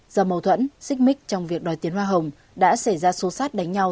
do mâu thuẫn xích mít trong việc đòi tiền hoa hồng đã xảy ra số sát đánh nhau